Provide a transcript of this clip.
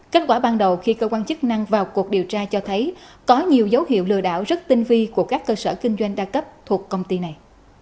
kết quả ban đầu khi cơ quan chức năng vào cuộc điều tra cho thấy có nhiều dấu hiệu lừa đảo rất tinh vi của các cơ sở kinh doanh đa cấp thuộc công ty này